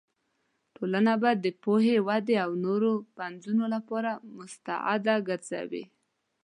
ټولنه به د پوهې، ودې او نوو پنځونو لپاره مستعده ګرځوې.